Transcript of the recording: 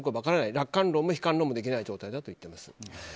楽観も悲観もできない状態だと思います。